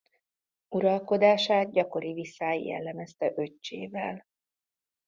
Uralkodását gyakori viszály jellemezte öccsével.